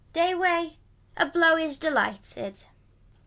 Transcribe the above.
Day way. A blow is delighted.